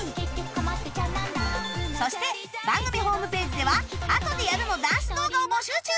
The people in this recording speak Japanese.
そして番組ホームページでは『あとでやる』のダンス動画を募集中！